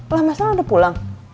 lah mas alde udah pulang